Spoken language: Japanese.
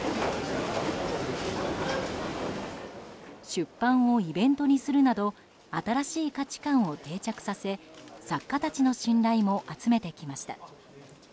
出版をイベントにするなど新しい価値観を定着させ作家たちの信頼も集めてきました。